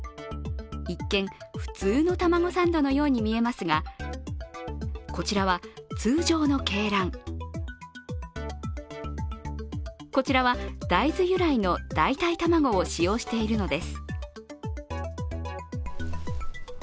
一見、普通の卵サンドのように見えますが、こちらは通常の鶏卵、こちらは大豆由来の代替卵を使用しているのです。